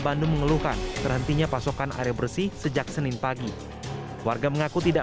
bandung mengeluhkan terhentinya pasokan air bersih sejak senin pagi warga mengaku tidak